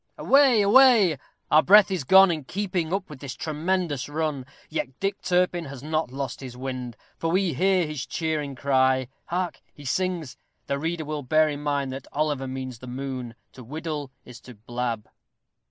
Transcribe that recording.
Away, away! our breath is gone in keeping up with this tremendous run. Yet Dick Turpin has not lost his wind, for we hear his cheering cry hark! he sings. The reader will bear in mind that Oliver means the moon to "whiddle" is to blab.